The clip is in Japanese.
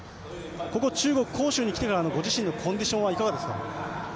ここ中国・杭州に来てからのご自身のコンディションはいかがですか？